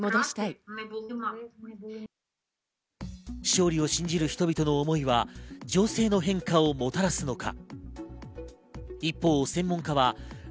勝利を信じる人々の思いは情勢の変化をもたらすのか。